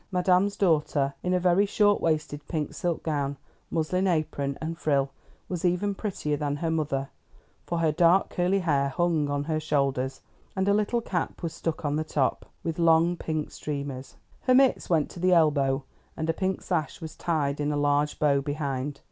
Madam's daughter, in a very short waisted pink silk gown, muslin apron, and frill, was even prettier than her mother, for her dark, curly hair hung on her shoulders, and a little cap was stuck on the top, with long pink streamers. Her mitts went to the elbow, and a pink sash was tied in a large bow behind.